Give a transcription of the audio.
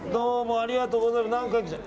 ありがとうございます。